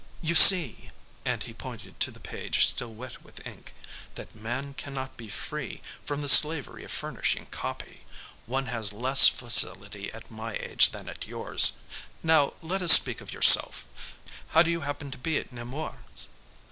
"You see," and he pointed to the page still wet with ink, "that man cannot be free from the slavery of furnishing copy. One has less facility at my age than at yours. Now, let us speak of yourself. How do you happen to be at Nemours?